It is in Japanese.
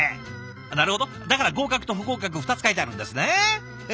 なるほどだから合格と不合格２つ書いてあるんですねうん！